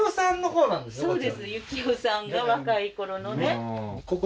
そうです行雄さんが若いころのね